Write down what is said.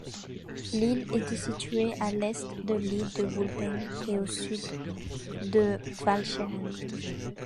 L'île était située à l'est de l'île de Wulpen et au sud de Walcheren.